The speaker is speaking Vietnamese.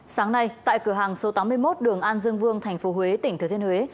sáng nay tại cửa hàng số tám mươi một đường an dương vương tp huế tỉnh thừa thiên huế